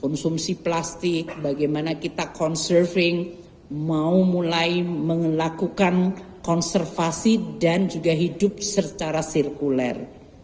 konsumsi plastik bagaimana kita conserving mau mulai melakukan konservasi dan juga hidup secara sirkuler